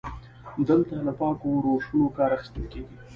دلته له پاکو روشونو کار اخیستل کیږي.